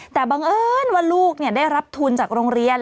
แต่บังเอิญว่าลูกได้รับทุนจากโรงเรียน